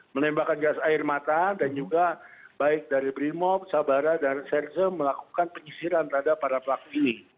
menembakkan gas air mata dan juga baik dari brimob sabara dan serzem melakukan penyisiran terhadap para pelaku ini